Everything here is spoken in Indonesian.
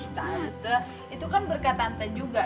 tante itu kan berkat tante juga